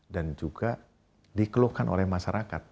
dan juga dikeluhkan oleh masyarakat